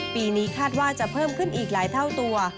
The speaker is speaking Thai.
ปีนี้คาดว่าจะเพิ่มขึ้นอีกหลายเท่าตัว